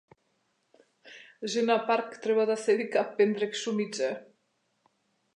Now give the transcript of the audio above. Жена парк треба да се вика пендрек шумиче!